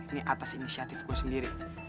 ini atas inisiatif gue sendiri